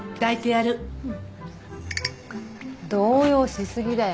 動揺し過ぎだよ。